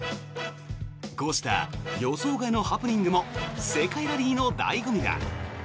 こうした予想外のハプニングも世界ラリーの醍醐味だ。